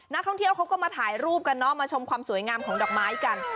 นักท่องเที่ยวเขาก็มาถ่ายรูปกันเนาะมาชมความสวยงามของดอกไม้กัน